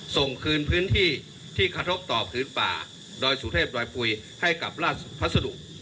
ส่งคืนพื้นที่ที่กระทบต่อพื้นป่าดอยสุเทพดอยปุ๋ยให้กับราชพัสดุ